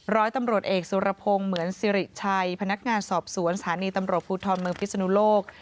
ร้อยตำรวจเอกสุรพงศ์เหมือนสิริชัยพนักงานสอบสวนสถานีตำรวจภูทรเมืองพิศนุโลก